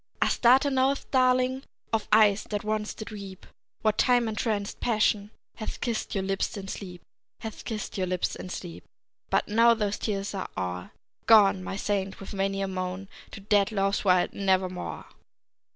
Astarte knoweth, darling, Of eyes that once did weep, What time entranced Passion Hath kissed your lips in sleep; Hath kissed your lips in sleep; But now those tears are o'er, Gone, my saint, with many a moan to Dead Love's wild Nevermore!